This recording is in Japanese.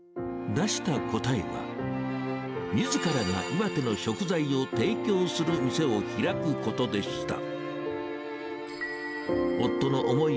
出した答えは、みずからが岩手の食材を提供する店を開くことでした。